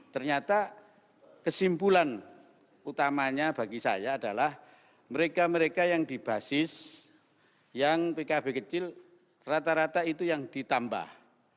ternyata kesimpulan utamanya bagi saya adalah mereka mereka yang di basis yang pkb kecil rata rata itu yang ditambah